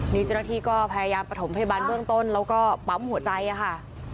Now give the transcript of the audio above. นี่เจ้านาธิก็พยายามผสมพยาบาลเบื้องต้นแล้วก็ปั๊บหัวใจอะค่ะ